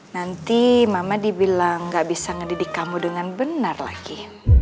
nanti mama dibilang gak bisa ngedidik kamu dengan benar lagi